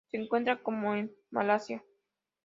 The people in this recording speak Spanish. Se encuentra sólo en Malasia.